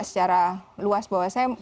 secara luas bahwa saya